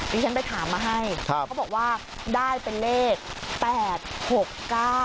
นี่ฉันไปถามมาให้พวกเขาบอกว่าได้เป็นเลข๘๖๙